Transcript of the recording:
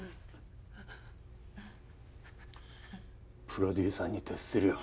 プロデューサーに徹するよ。